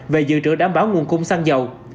về dự trữ đảm bảo nguồn cung xăng dầu